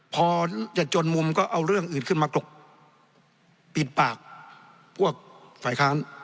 พอจะจนมุมก็เอาเรื่องอื่นขึ้นมากรกปิดปากพวกฝ่ายค้าน